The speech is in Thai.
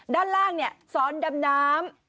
ด้านล่างเนี่ยซอนดำน้ำ